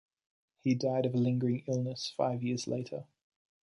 He died of a lingering illness five years later.